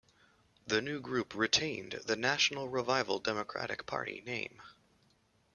The new group retained the National Revival Democratic Party name.